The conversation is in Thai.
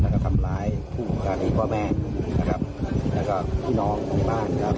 และก็ทำร้ายผู้ค่าที่พ่อแม่นะครับและก็พี่น้องในบ้านและก็